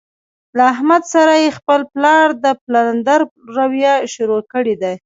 له احمد سره یې خپل پلار د پلندر رویه شروع کړې ده.